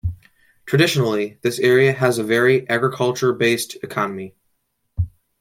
Traditionally, this area has a very agriculture-based economy.